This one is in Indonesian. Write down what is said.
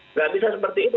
tidak bisa seperti itu